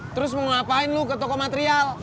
terus mau ngapain lu ke toko material